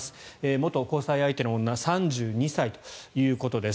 元交際相手の女３２歳ということです。